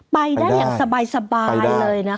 ไปได้อย่างสบายเลยนะคะ